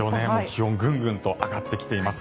気温がぐんぐんと上がってきています。